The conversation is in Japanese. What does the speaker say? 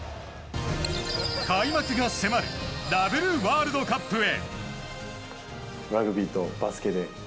開幕が迫るダブルワールドカップへ。